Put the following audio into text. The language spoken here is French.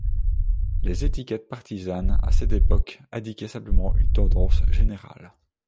Les étiquettes partisanes, à cette époque, indiquait simplement une tendance générale.